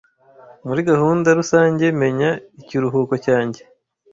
muri gahunda rusange menya ikiruhuko cyanjye